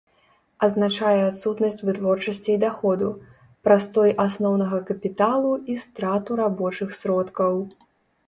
Азначае адсутнасць вытворчасці і даходу, прастой асноўнага капіталу і страту рабочых сродкаў.